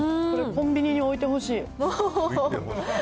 これ、コンビニに置いてほしい。